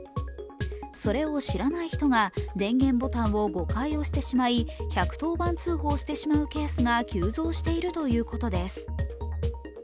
それを知らない人が電源ボタンを５回押してしまい１１０番通報してしまうケースが急増しているということです。